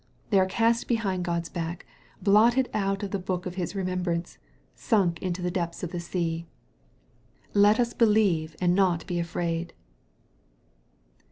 They are cast behind God's back blotted out of the book of His remembrance sunk into the depths of the sea. Let us believe and not be afraid.